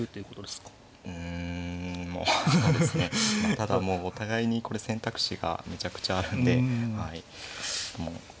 ただもうお互いにこれ選択肢がめちゃくちゃあるんでもうどうなるか。